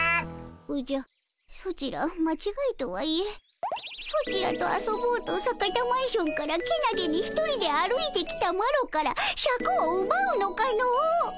おじゃソチらまちがいとはいえソチらと遊ぼうと坂田マンションからけなげに一人で歩いてきたマロからシャクをうばうのかの。